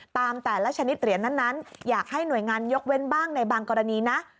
แต่ละชนิดเหรียญนั้นอยากให้หน่วยงานยกเว้นบ้างในบางกรณีนะ